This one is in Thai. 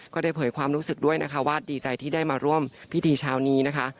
เผยความรู้สึกด้วยนะคะว่าดีใจที่ได้มาร่วมพิธีเช้านี้นะคะ